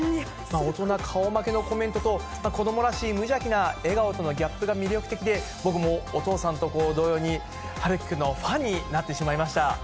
大人顔負けのコメントと、子どもらしい無邪気な笑顔とのギャップが魅力的で、僕もお父さんと同様に、陽生君のファンになってしまいました。